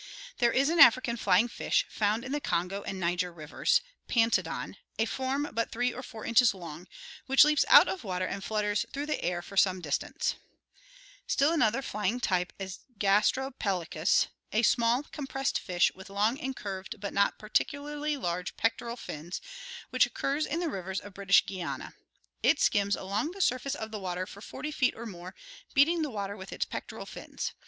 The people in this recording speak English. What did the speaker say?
There is an African flying fish found in the Kongo and Niger rivers — Paniodon, a form but three or four inches long — which leaps out of water and flutters through the air for some distance. Still another flying type is Gastropelecus, a small, compressed fish with long and curved but not particularly large pectoral fins, which VOLANT ADAPTATION Fig. 8i— Flying fish, gurnet, Daciylopttrui imlUans. (After Lull.) occurs in the rivers of British Guiana. It skims along the surface of the water for 40 feet or more, beating the water with its pectoral fins.